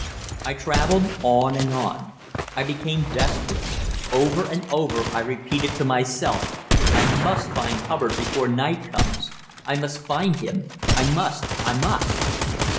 I travelled on and on. I became desperate. Over and over I repeated to myself, "I must find Hubbard before night comes I must find him I must I must."